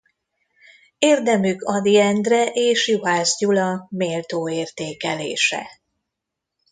Érdemük Ady Endre és Juhász Gyula méltó értékelése.